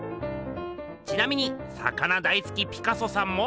ちなみに魚大すきピカソさんも。